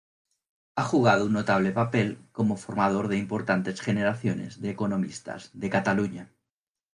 Ha jugado un notable papel como formador de importantes generaciones de economistas de Cataluña.